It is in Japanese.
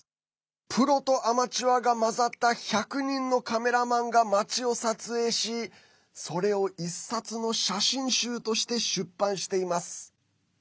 プロとアマチュアが混ざった１００人のカメラマンが街を撮影しそれを１冊の写真集として出版しています。